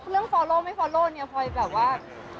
เรื่องติดต่อไม่ติดต่อเนี่ยปล่อยแบบว่า